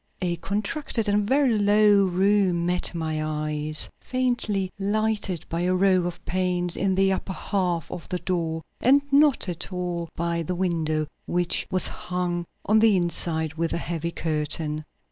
A contracted and very low room met my eyes, faintly lighted by a row of panes in the upper half of the door and not at all by the window, which was hung on the inside with a heavy curtain.